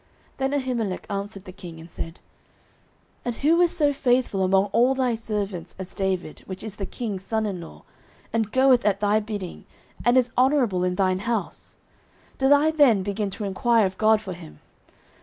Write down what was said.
09:022:014 Then Ahimelech answered the king, and said, And who is so faithful among all thy servants as David, which is the king's son in law, and goeth at thy bidding, and is honourable in thine house? 09:022:015 Did I then begin to enquire of God for him?